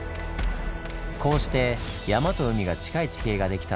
こうして山と海が近い地形ができたんですねぇ。